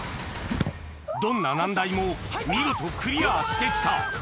・どんな難題も見事クリアして来た